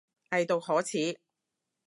偽毒可恥